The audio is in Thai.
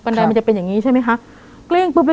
บันไดมันจะเป็นอย่างนี้ใช่ไหมคะ